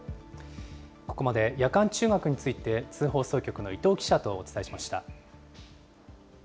ここまで夜間中学について、津放送局の伊藤記者とお伝えしました。